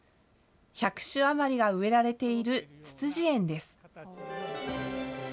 １００種余りが植えられているツツジ園です。